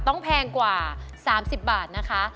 ต้องแพงกว่า๓๐บาทนะค่ะ